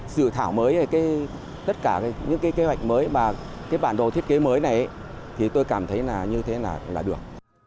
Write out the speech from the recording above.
sự thảo mới tất cả những kế hoạch mới và cái bản đồ thiết kế mới này thì tôi cảm thấy như thế là được